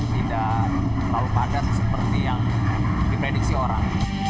tidak terlalu padat seperti yang diprediksi orang